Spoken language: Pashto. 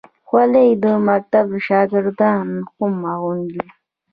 خولۍ د مکتب شاګردان هم اغوندي.